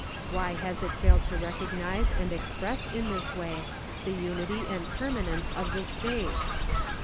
Why has it failed to recognise and express in this way the unity and permanence of the state